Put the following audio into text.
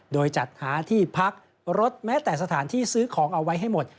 โดยจัดหาที่พักรถแม้แต่สถานที่ซื้อของเอาไว้ให้หมด